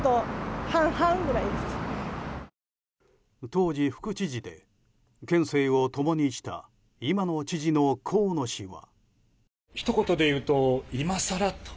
当時、副知事で県政を共にした今の知事の河野氏は。